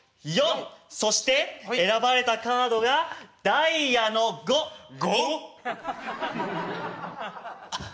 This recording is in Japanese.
そして選ばれたカードがダイヤの５！５？あっ。